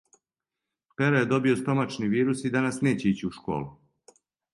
Пера је добио стомачни вирус и данас неће ићи у школу.